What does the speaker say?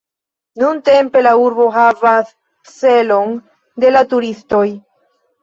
Nuntempe la urbo havas celon de la turistoj.